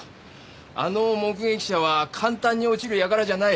あの目撃者は簡単に落ちる輩じゃない。